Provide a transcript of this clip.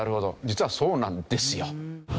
実はそうなんですよ。